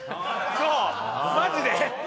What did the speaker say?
そうマジで。